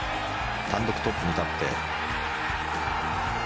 単独トップに立って。